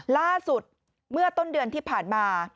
ล่าสุดเมื่อต้นเดือนที่ผ่านมา